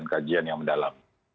kajian yang mendalam